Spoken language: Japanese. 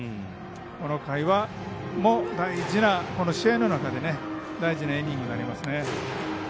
この回も試合の中で大事なイニングになりますね。